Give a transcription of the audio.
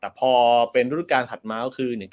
แต่พอเป็นรุ่นทุกข์การถัดมาก็คือ๑๙๓๑๙๔